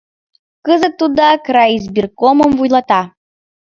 Кызыт тудак райизбиркомым вуйлата.